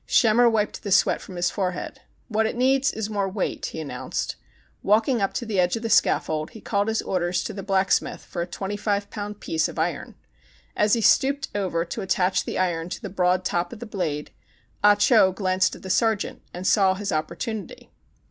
Schemmer wiped the sweat from his fore head. "What it needs is more w^eight," he announced. Walking up to the edge of the scaffold, he called his orders to the blacksmith for a twenty five pound piece of iron. As he stooped over to attach the iron to the broad top of the blade. Ah Cho glanced at the sergeant and saw^ his opportunity.